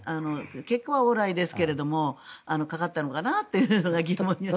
結果はオーライですがかかったのかなというのが疑問に思って。